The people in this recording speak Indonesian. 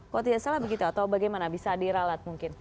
kalau tidak salah begitu atau bagaimana bisa diralat mungkin